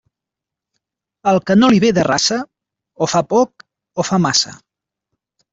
Al que no li ve de raça, o fa poc o fa massa.